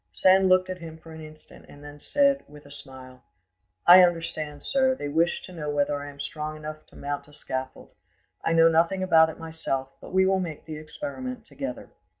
Sand looked at him for an instant, and then said, with a smile— "I understand, sir; they wish to know whether I am strong enough to mount a scaffold: I know nothing about it myself, but we will make the experiment together."